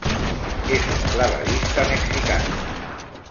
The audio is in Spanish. Es un clavadista mexicano.